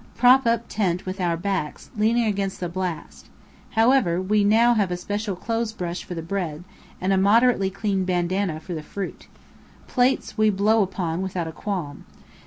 Prop up tent with our backs, leaning against the blast. However, we have now a special clothes brush for the bread, and a moderately clean bandanna for the fruit. Plates, we blow upon without a qualm.